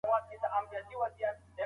د ارغنداب سیند پر غاړه ماشومان لوبې کوي.